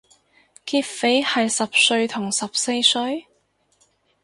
劫匪係十歲同十四歲？